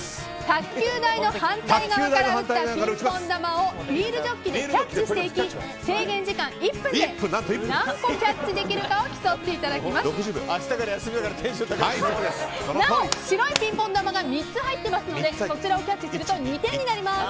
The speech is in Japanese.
卓球台の反対側から打ったピンポン球をビールジョッキでキャッチしていき制限時間１分で何個キャッチできるかを明日から休みだからなお、白いピンポン球が３つ入っていますのでそちらをキャッチすると２点になります。